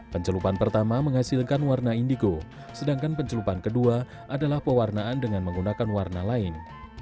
pencelupan pertama menghasilkan warna indigo sedangkan pencelupan kedua adalah pewarnaan dengan menggunakan warna lain